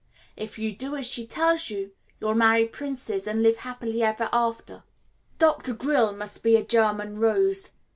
If you do as she tells you, you'll marry princes and live happily ever after." Dr. Grill must be a German rose.